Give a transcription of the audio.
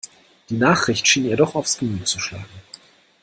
Die Nachricht schien ihr doch aufs Gemüt zu schlagen.